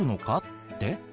って？